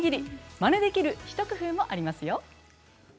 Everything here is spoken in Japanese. まねできる一工夫もありますよ。